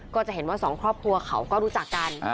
ก็จะเห็นว่าสองครอบครัวเขาก็รู้จักกัน